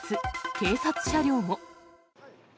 警察車両も。